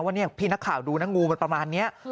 เนี่ยพี่นักข่าวดูนะงูมันประมาณนี้